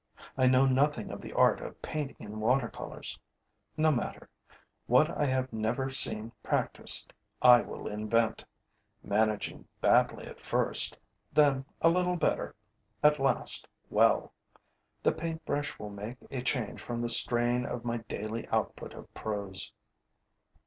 I know nothing of the art of painting in watercolors. No matter: what I have never seen practiced I will invent, managing badly at first, then a little better, at last well. The paintbrush will make a change from the strain of my daily output of prose.